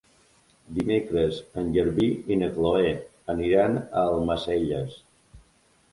Dimecres en Garbí i na Chloé aniran a Almacelles.